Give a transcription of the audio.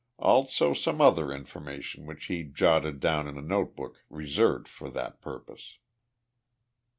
Also some other information which he jotted down in a notebook reserved for that purpose.